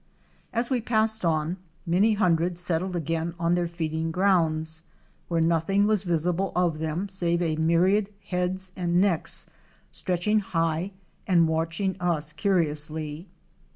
As we passed on, many hundreds settled again on their feeding grounds, where nothing was visible of them save a myriad heads and necks, stretched high and watching us curiously.